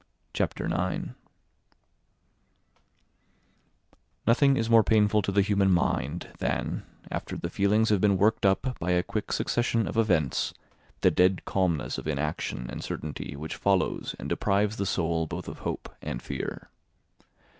Chapter 9 Nothing is more painful to the human mind than, after the feelings have been worked up by a quick succession of events, the dead calmness of inaction and certainty which follows and deprives the soul both of hope and fear.